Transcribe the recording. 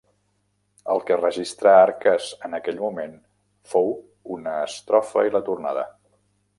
El que registrà Arques en aquell moment fou una estrofa i la tornada.